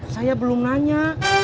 saya belum nanya